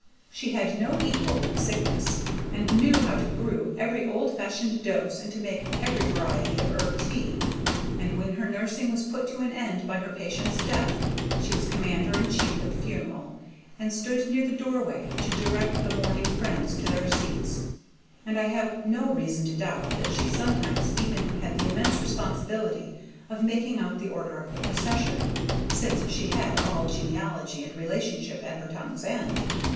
She had no equal in sickness, and knew how to brew every old fashioned dose and to make every variety of herb tea, and when her nursing was put to an end by her patient's death, she was commander in chief at the funeral, and stood near the doorway to direct the mourning friends to their seats; and I have no reason to doubt that she sometimes even had the immense responsibility of making out the order of the procession, since she had all genealogy and relationship at her tongue's end.